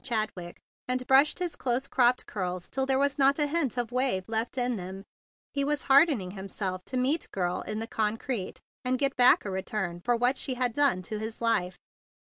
Chadwick, and brushed his close cropped curls till 44 THE BIG BLUE SOLDIER there was not a hint of wave left in them, he was hardening himself to meet Girl in the concrete and get back a re¬ turn for what she had done to his life.